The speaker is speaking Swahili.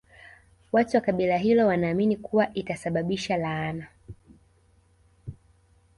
Watu wa kabila hilo wanaamini kuwa itasababisha laana